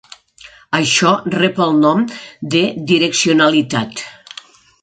Això rep el nom de "direccionalitat".